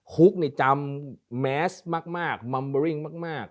คุกนี่จำแมสมากมัมเบอร์ริ่งมาก